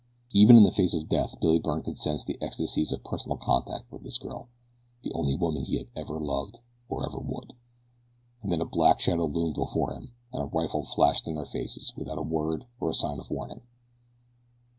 Even in the face of death Billy Byrne could sense the ecstasies of personal contact with this girl the only woman he ever had loved or ever would. And then a black shadow loomed before them, and a rifle flashed in their faces without a word or a sign of warning.